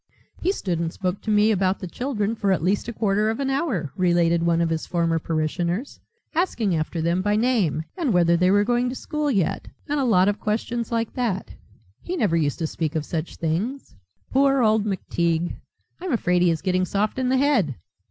"He stood and spoke to me about the children for at least a quarter of an hour," related one of his former parishioners, "asking after them by name, and whether they were going to school yet and a lot of questions like that. He never used to speak of such things. Poor old McTeague, I'm afraid he is getting soft in the head."